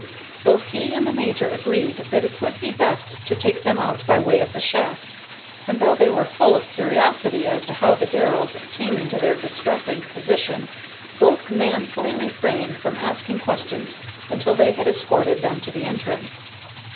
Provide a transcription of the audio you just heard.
Both he and the major agreed that it would be best to take them out by way of the shaft, and though they were full of curiosity as to how the Darrells came into their distressing position, both manfully refrained from asking questions until they had escorted them to the entrance.